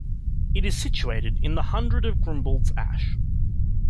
It is situated in the Hundred of Grumbald's Ash.